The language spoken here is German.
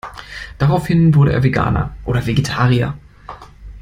Daraufhin wurde er Veganer oder Vegetarier.